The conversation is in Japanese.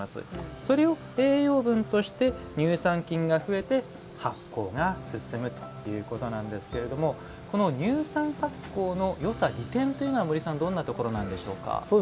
それを栄養分として乳酸菌が増えて発酵が進むということなんですがこの乳酸発酵のよさ利点というのはどんなところでしょうか？